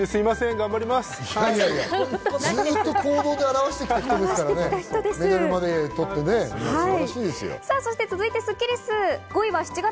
頑張ります。